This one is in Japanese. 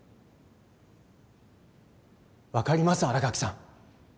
分かります新垣さん